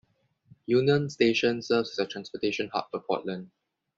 Union Station serves as a transportation hub for Portland.